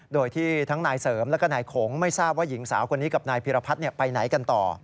โดยที่ทั้งนายเสริมแล้วก็นายโขงไม่ทราบว่าหญิงสาวคนนี้กับนายพิรพัฒน์ไปไหนกันต่อ